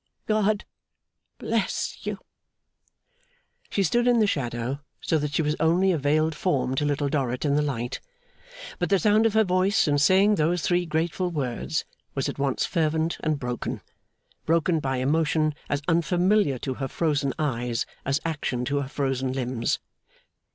'GOD bless you!' She stood in the shadow so that she was only a veiled form to Little Dorrit in the light; but the sound of her voice, in saying those three grateful words, was at once fervent and broken broken by emotion as unfamiliar to her frozen eyes as action to her frozen limbs.